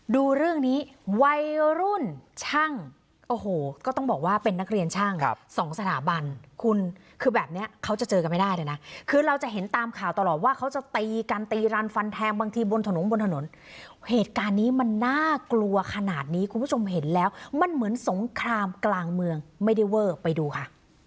ดูเรื่องนี้วัยรุ่นช่างโอ้โหก็ต้องบอกว่าเป็นนักเรียนช่างสองสถาบันคุณคือแบบนี้เขาจะเจอกันไม่ได้เลยนะคือเราจะเห็นตามข่าวตลอดว่าเขาจะตีกันตีรันฟันแทงบางทีบนถนนบนถนนเหตุการณ์นี้มันน่ากลัวขนาดนี้คุณผู้ชมเห็นแล้วมันเหมือนสงครามกลางเมืองไม่ได้เวอร์ไปดูค่ะ